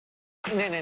ねえねえ